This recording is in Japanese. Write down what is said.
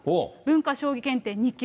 文化将棋検定２級。